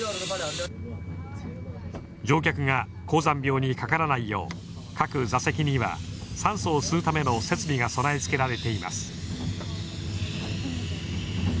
乗客が高山病にかからないよう各座席には酸素を吸うための設備が備え付けられています。